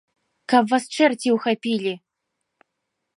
Каб вас чэрці ўхапілі!